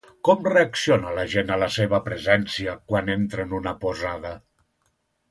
Com reacciona la gent a la seva presència quan entra en una posada?